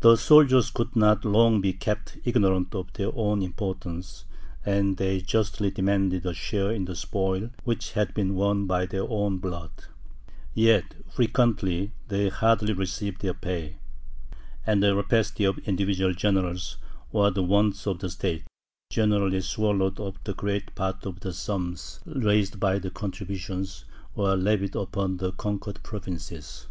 The soldiers could not long be kept ignorant of their own importance, and they justly demanded a share in the spoil which had been won by their own blood. Yet, frequently, they hardly received their pay; and the rapacity of individual generals, or the wants of the state, generally swallowed up the greater part of the sums raised by contributions, or levied upon the conquered provinces.